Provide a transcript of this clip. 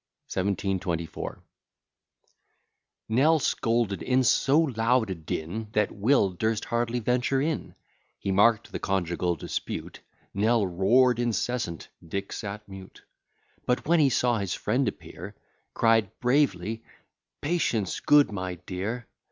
1724 NELL scolded in so loud a din, That Will durst hardly venture in: He mark'd the conjugal dispute; Nell roar'd incessant, Dick sat mute; But, when he saw his friend appear, Cried bravely, "Patience, good my dear!"